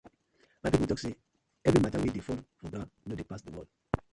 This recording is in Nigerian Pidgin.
My pipu tok say everi matta wey dey fall for ground no dey pass the world.